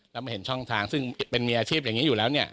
แล้วมาเห็นช่องทางซึ่งเป็นมีอาชีพอย่างนี้อยู่แล้วเนี่ย